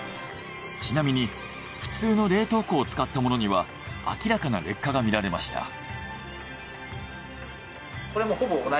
ちなみに普通の冷凍庫を使ったものには明らかな劣化が見られました。